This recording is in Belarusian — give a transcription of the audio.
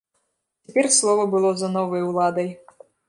Цяпер слова было за новай уладай.